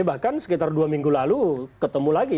bahkan sekitar dua minggu lalu ketemu lagi